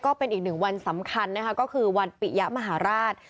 ก็เป็นอีกหนึ่งวันสำคัญนะคะก็คือวันปิยะมหาราช